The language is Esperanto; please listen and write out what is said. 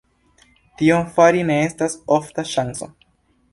Tion fari ne estas ofta ŝanco.